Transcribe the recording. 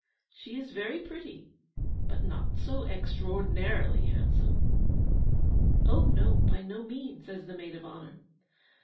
she is very pretty, but not so EXTRAORDINARILY handsome.' 'Oh no, by no means!' says the Maid of Honour.